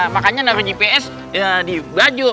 makanya naruh gps di baju